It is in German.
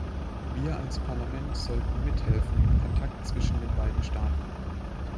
Wir als Parlament sollten mithelfen im Kontakt zwischen den beiden Staaten.